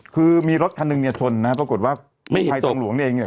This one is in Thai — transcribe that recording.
คือมีรถคันหนึ่งทนนะครับปรากฏว่ากู้ภัยทางหลวงเนี่ย